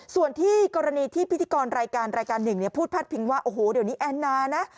ส่วนที่กรณีที่พิธีกรรายการรายการหนึ่งพูดพาดพิงว่าโอ้โหเดี๋ยวนี้แอนนานะ